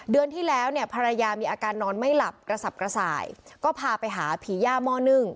เดือนที่แล้วเนี่ยภรรยามีอาการนอนไม่หลับกระสับกระส่ายก็พาไปหาผีย่าหม้อนึ่ง